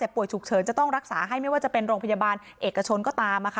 ป่วยฉุกเฉินจะต้องรักษาให้ไม่ว่าจะเป็นโรงพยาบาลเอกชนก็ตาม